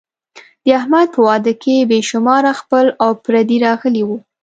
د احمد په واده کې بې شماره خپل او پردي راغلي وو.